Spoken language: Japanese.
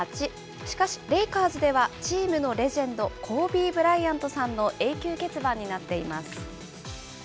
しかし、レイカーズではチームのレジェンド、コービー・ブライアントさんの永久欠番になっています。